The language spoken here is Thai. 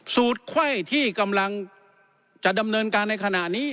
สูตรไข้ที่กำลังจะดำเนินการในขณะนี้